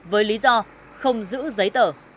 với lý do không giữ giấy tờ